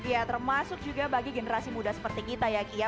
ya termasuk juga bagi generasi muda seperti kita ya kia